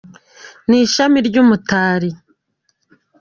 Ni ishami ry’umutari